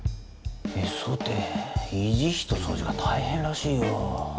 別荘って維持費と掃除が大変らしいよ。